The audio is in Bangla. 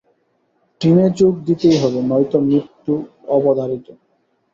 টিমে যোগ দিতেই হবে নয়তো মৃত্যু অবধারিত।